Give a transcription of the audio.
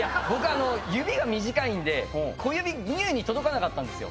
指が短いんで小指が「乳」に届かなかったんですよ。